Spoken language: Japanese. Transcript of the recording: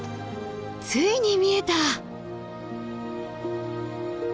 ついに見えた！